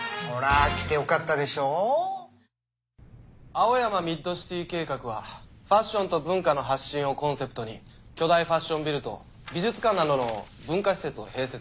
青山ミッドシティ計画はファッションと文化の発信をコンセプトに巨大ファッションビルと美術館などの文化施設を併設。